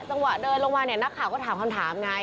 จังหวะเดินลงมาเนี่ยนักข่าวก็ถามคำถามไง